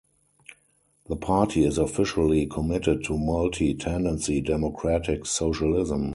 The party is officially committed to multi-tendency democratic socialism.